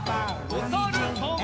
おさるさん。